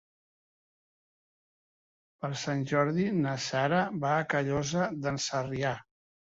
Per Sant Jordi na Sara va a Callosa d'en Sarrià.